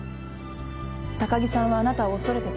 高木さんはあなたを恐れてた。